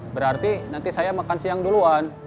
berarti nanti saya makan siang duluan